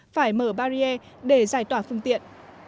phải mở barrier để giải tỏa phương tiện